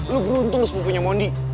lo beruntung lo sepupunya mondi